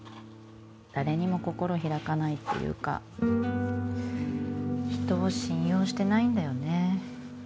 誰にも心開かないっていうか人を信用してないんだよね